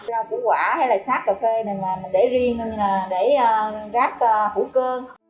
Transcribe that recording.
rau củ quả hay là sát cà phê này mình để riêng thôi để rác hữu cơ